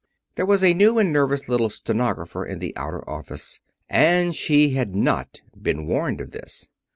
There was a new and nervous little stenographer in the outer office, and she had not been warned of this.